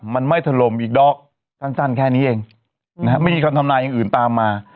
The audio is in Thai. มันไม่ถล่มอีกดอกสั้นแค่นี้เองนะฮะไม่มีคำทำนายอย่างอื่นตามมา